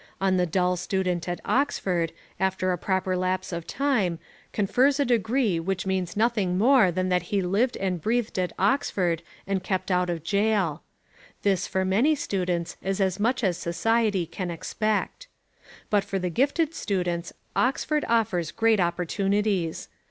On the dull student Oxford, after a proper lapse of time, confers a degree which means nothing more than that he lived and breathed at Oxford and kept out of jail. This for many students is as much as society can expect. But for the gifted students Oxford offers great opportunities.